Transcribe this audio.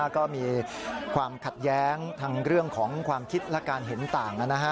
ก็มีความขัดแย้งทั้งเรื่องของความคิดและการเห็นต่าง